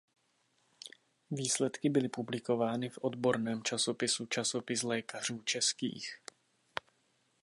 Výsledky byly publikovány v odborném časopisu "Časopis lékařů českých".